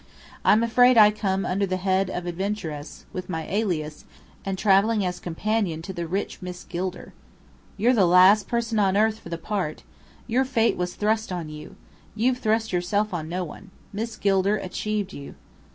I'm afraid I come under the head of adventuress, with my alias, and travelling as companion to the rich Miss Gilder." "You're the last person on earth for the part! Your fate was thrust on you. You've thrust yourself on no one. Miss Gilder 'achieved' you."